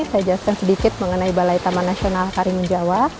saya jelaskan sedikit mengenai balai taman nasional karimun jawa